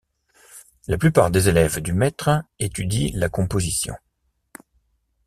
La plupart des élèves du maître étudient la composition.